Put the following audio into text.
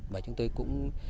và chúng tôi cũng